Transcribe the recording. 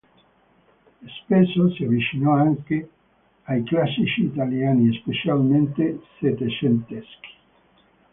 Spesso si avvicinò anche ai classici italiani, specialmente settecenteschi.